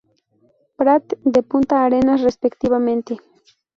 Prat de Punta Arenas respectivamente.